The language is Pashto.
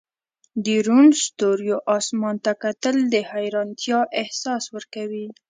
د روڼ ستوریو اسمان ته کتل د حیرانتیا احساس ورکوي.